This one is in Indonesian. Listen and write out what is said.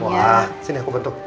wah sini aku bentuk